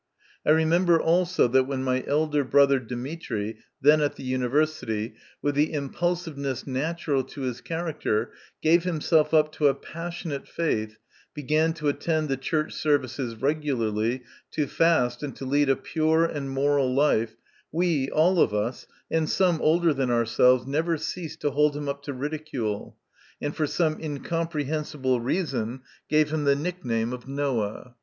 I remember, also, that when my elder brother, Demetry, then at the university, with the impulsiveness natural to his character, gave himself up to a passionate faith, began to attend the church services regularly, to fast, and to lead a pure and moral life, we all of us, and some older than ourselves, never ceased to hold him up to ridicule, and for some incomprehen sible reason gave him the nickname of Noah.